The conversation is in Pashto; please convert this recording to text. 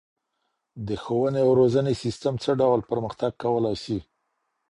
د ښوونې او روزنې سيستم څه ډول پرمختګ کولای سي؟